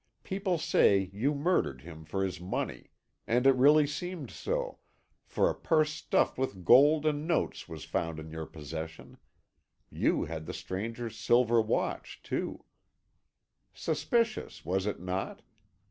People say you murdered him for his money, and it really seemed so, for a purse stuffed with gold and notes was found in your possession; you had the stranger's silver watch, too. Suspicious, was it not?